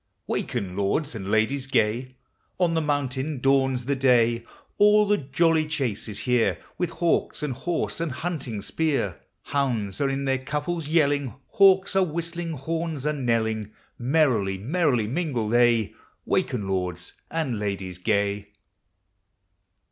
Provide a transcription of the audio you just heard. Waken, lords and ladies gay, On the mountain dawns the day; All the jolly chase is here, With hawk and horse and hunting spear! THE SEASONS. 155 Hounds are in their couples yelling, Hawks are whistling, horns are knelling, Merrily, merrily mingle they, " Waken, lords and ladies gay."